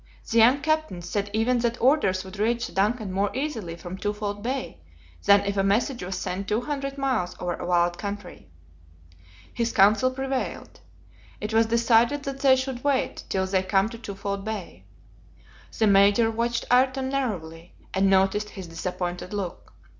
The young captain said even that orders would reach the DUNCAN more easily from Twofold Bay, than if a message was sent two hundred miles over a wild country. His counsel prevailed. It was decided that they should wait till they came to Twofold Bay. The Major watched Ayrton narrowly, and noticed his disappointed look.